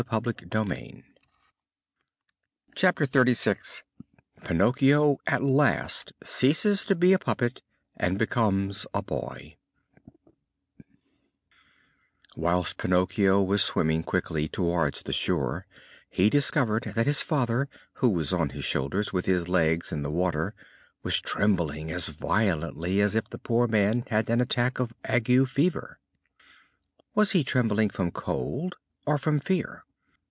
CHAPTER XXXVI PINOCCHIO AT LAST CEASES TO BE A PUPPET AND BECOMES A BOY Whilst Pinocchio was swimming quickly towards the shore he discovered that his father, who was on his shoulders with his legs in the water, was trembling as violently as if the poor man had an attack of ague fever. Was he trembling from cold or from fear.